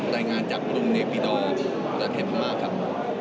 ได้งานจากรุ่มเนฟีดอลและเทพภาคับ